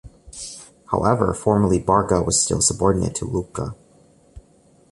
However, formally Barga was still subordinate to Lucca.